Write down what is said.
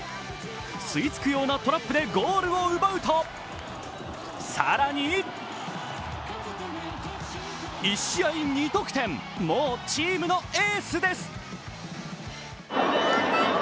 吸い付くようなトラップでゴールを奪うと更に１試合２得点、もうチームのエースです。